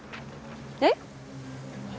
えっ？